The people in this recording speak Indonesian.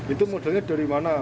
itu modalnya dari mana